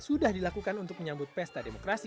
sudah dilakukan untuk menyambut pesta demokrasi